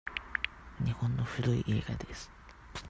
日本の古い映画です。